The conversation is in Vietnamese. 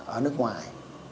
ở nước ngoài